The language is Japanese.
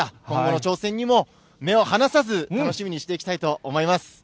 今後の挑戦にも目を離さず、楽しみにしていきたいと思います。